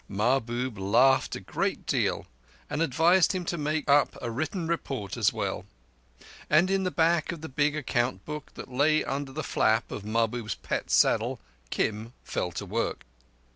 Mahbub laughed a great deal, and advised him to make up a written report as well; and in the back of the big account book that lay under the flap of Mahbub's pet saddle Kim fell to work..